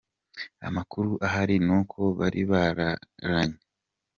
Amakuru ahari ni uko bari bararanye.